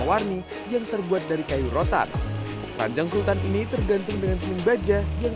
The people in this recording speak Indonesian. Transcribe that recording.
warni yang terbuat dari kayu rotan keranjang sultan ini tergantung dengan seni baja yang